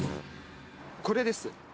これです。